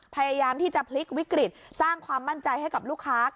พยายามที่จะพลิกวิกฤตสร้างความมั่นใจให้กับลูกค้า